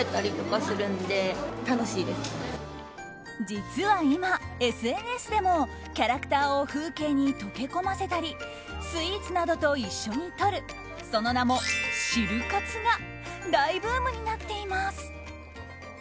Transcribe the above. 実は今、ＳＮＳでもキャラクターを風景に溶け込ませたりスイーツなどと一緒に撮るその名もシル活が大ブームになっています。